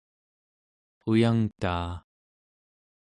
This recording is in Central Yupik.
uyangtaa